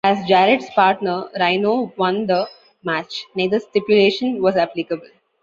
As Jarrett's partner, Rhino, won the match, neither stipulation was applicable.